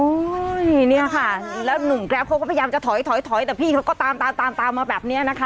เนี่ยค่ะแล้วหนุ่มแกรปเขาก็พยายามจะถอยถอยแต่พี่เขาก็ตามตามมาแบบนี้นะคะ